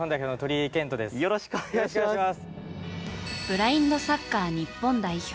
ブラインドサッカー日本代表